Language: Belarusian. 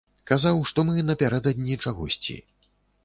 Казаў, што мы напярэдадні чагосьці.